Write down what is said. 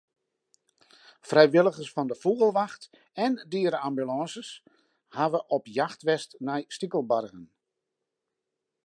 Frijwilligers fan de Fûgelwacht en de diere-ambulânse hawwe op jacht west nei stikelbargen.